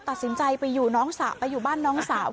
ตัดสินใจไปอยู่น้องสาวไปอยู่บ้านน้องสาว